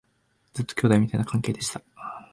ずっと兄弟みたいな関係でした